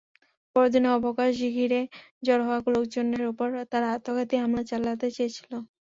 বড়দিনের অবকাশ ঘিরে জড়ো হওয়া লোকজনের ওপর তারা আত্মঘাতী হামলা চালাতে চেয়েছিল।